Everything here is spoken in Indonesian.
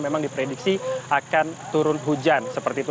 memang diprediksi akan turun hujan seperti itu